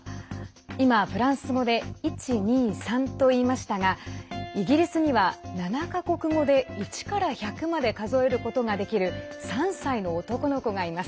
今、フランス語で「１、２、３」と言いましたがイギリスには７か国語で１から１００まで数えることができる３歳の男の子がいます。